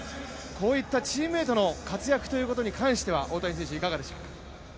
こういったチームメイトの活躍に関しては、大谷選手、いかがでしょうか？